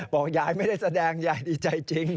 บอกยายไม่ได้แสดงยายดีใจจริง